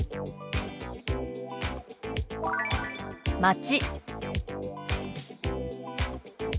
「町」。